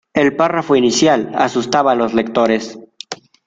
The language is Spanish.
El párrafo inicial asustaba a los lectores.